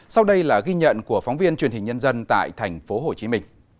sau đây là ghi nhận của phóng viên truyền hình nhân dân tại tp hcm